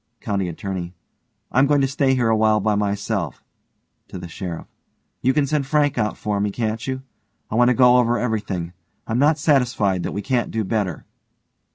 COUNTY ATTORNEY: I'm going to stay here a while by myself, (to the SHERIFF) You can send Frank out for me, can't you? I want to go over everything. I'm not satisfied that we can't do better.